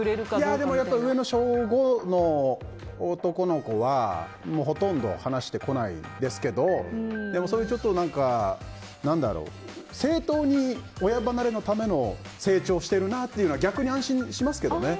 でも上の小５の男の子はほとんど話してこないですけどでも、それで正当に親離れのための成長してるなというのは逆に安心しますけどね。